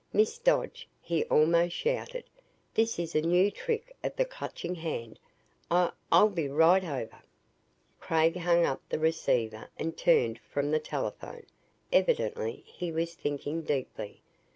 "Miss Dodge," he almost shouted, "this is a new trick of the Clutching Hand. I I'll be right over." Craig hung up the receiver and turned from the telephone. Evidently he was thinking deeply.